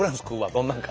どんなんか。